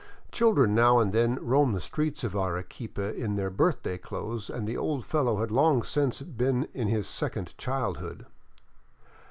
Children now and then roam the streets of Arequipa in their birthday clothes, and the old fellow had long since been in his second childhood.